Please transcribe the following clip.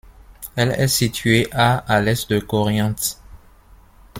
Elle est située à à l'est de Corrientes.